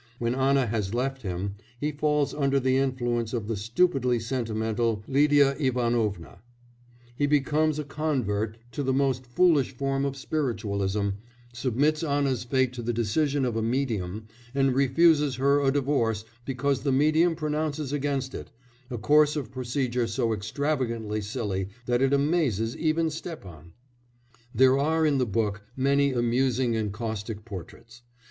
When Anna has left him he falls under the influence of the stupidly sentimental Lidia Ivanovna; he becomes a convert to the most foolish form of spiritualism, submits Anna's fate to the decision of a medium, and refuses her a divorce because the medium pronounces against it a course of procedure so extravagantly silly that it amazes even Stepan. There are in the book many amusing and caustic portraits.